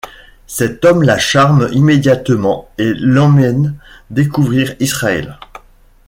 Cet homme la charme immédiatement, et l'emmène découvrir Israël.